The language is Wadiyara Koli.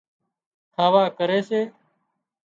کاوا ڪري سي